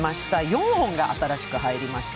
４本が新しく入りました。